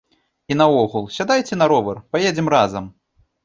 І наогул, сядайце на ровар, паедзем разам!